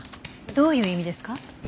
どういう意味ですか？